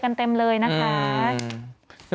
เต็มเลยนะคะ